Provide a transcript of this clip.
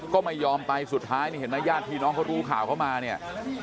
ก็ไม่ยอมไปสุดท้ายนี่เห็นไหมญาติพี่น้องเขารู้ข่าวเข้ามาเนี่ย